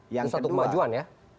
itu satu kemajuan ya